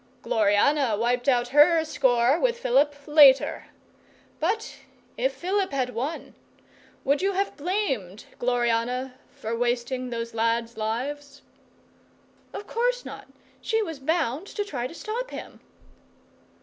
'Gloriana wiped out her score with Philip later. But if Philip had won, would you have blamed Gloriana for wasting those lads' lives?' 'Of course not. She was bound to try to stop him.